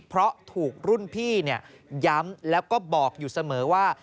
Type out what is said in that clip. เพราะถูกรุ่นพี่ย้ำแล้วก็บอกอยู่เสมอว่า